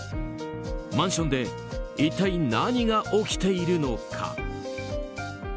マンションで一体何が起きているのか。